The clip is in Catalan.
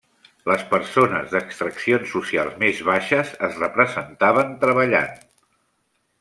Les persones d'extraccions socials més baixes es representaven treballant.